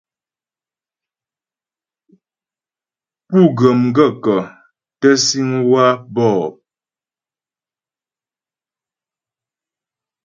Pú ghə́ m gaə̂kə́ tə síŋ waə̂ bɔ̂p ?